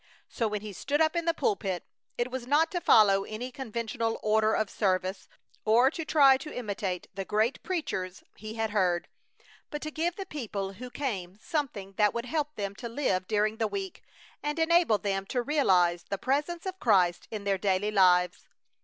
So when he stood up in the pulpit it was not to follow any conventional order of service, or to try to imitate the great preachers he had heard, but to give the people who came something that would help them to live during the week and enable them to realize the Presence of Christ in their daily lives.